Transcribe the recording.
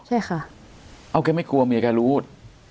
ใช่ค่ะเอาแกไม่กลัวเมียแกรู้